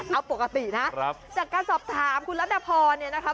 เอาปกตินะจากการสอบถามคุณรัฐพรเนี่ยนะคะ